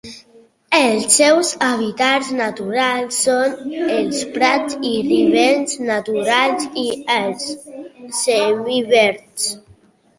Els seus hàbitats naturals són els prats i ribes montans i els semideserts.